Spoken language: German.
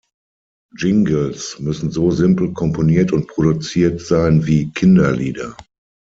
Jingles müssen so simpel komponiert und produziert sein wie Kinderlieder.